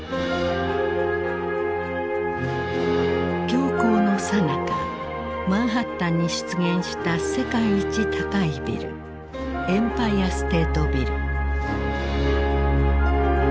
恐慌のさなかマンハッタンに出現した世界一高いビルエンパイアステートビル。